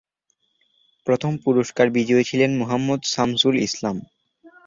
প্রথম পুরস্কার বিজয়ী ছিলেন মোহাম্মাদ শামসুল ইসলাম।